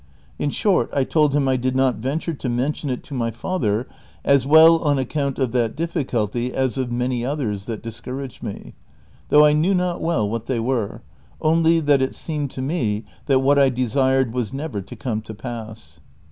In short, I told him I did not venture to mention it to my father, as well on 218 DON QUIXOTE. account of that difficulty, as of many others that discom aged me, though I knew not well what they were, only tliat it seemed to me that what I desired was never to come to pass.